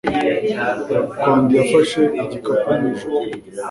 Gakwandi yafashe igikapu nijoro